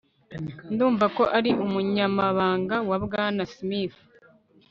Ndumva ko ari umunyamabanga wa Bwana Smith